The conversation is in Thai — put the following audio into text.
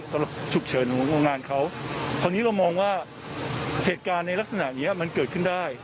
ฉุกเฉินของโรงงานเขาคราวนี้เรามองว่าเหตุการณ์ในลักษณะเนี้ยมันเกิดขึ้นได้